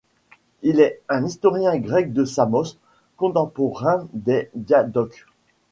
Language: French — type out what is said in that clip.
Il est un historien grec de Samos, contemporain des Diadoques.